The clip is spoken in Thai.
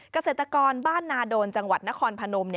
เกษตรกรบ้านนาโดนจังหวัดนครพนม